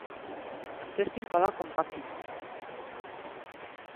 Tes que ir a falar con Paqui.